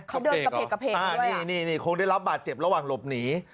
เขาเดินกระเพกกระเพกอ่านี่นี่คงได้รับบาดเจ็บระหว่างหลบหนี